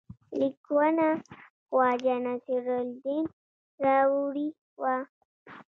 لیکونه خواجه نصیرالدین راوړي وه.